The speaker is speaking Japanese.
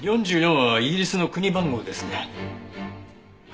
「４４」はイギリスの国番号ですね。